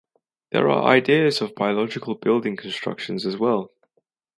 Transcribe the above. There are ideas of biological building constructions as well.